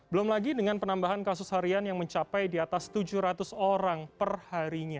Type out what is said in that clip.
belum lagi dengan penambahan kasus harian yang mencapai di atas tujuh ratus orang perharinya